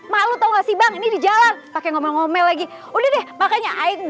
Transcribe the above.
malu tau gak sih bang ini di jalan pakai ngomong ngomel lagi udah deh makanya ayo